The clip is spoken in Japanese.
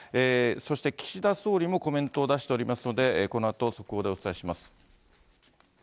そして岸田総理もコメントを出しておりますので、このあと、速報でお伝えします。